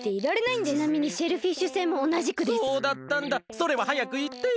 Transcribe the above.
それははやくいってよ！